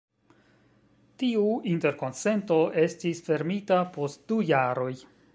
Tiu interkonsento estis fermita post du jaroj.